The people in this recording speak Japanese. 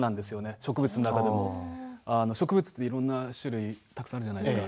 植物の中でも植物っていろんな種類たくさんあるじゃないですか